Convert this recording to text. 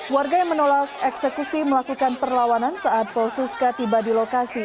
warga yang menolak eksekusi melakukan perlawanan saat polsuska tiba di lokasi